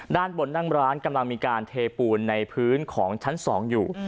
ด้านบนนั่งร้านกำลังมีการเทปูนในพื้นของชั้น๒อยู่